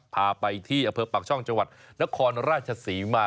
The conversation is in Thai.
พาไปที่อำเภอปากช่องจังหวัดนครราชศรีมา